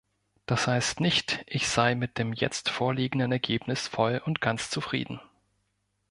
Das heißt nicht, ich sei mit dem jetzt vorliegenden Ergebnis voll und ganz zufrieden.